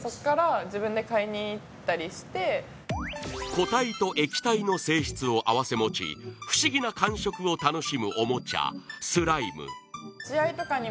固体と液体の性質を併せ持ち、不思議な感触を楽しむおもちゃスライム。